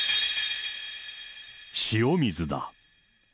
塩水だ。